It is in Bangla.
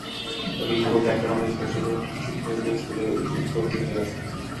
তবে ইহার মধ্যে একটি কথা স্পষ্ট যে, সূক্ষ্ম হইতে স্থূলের উৎপত্তি হইয়া থাকে।